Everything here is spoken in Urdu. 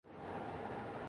وہ میرے خواب گاہ میں آیا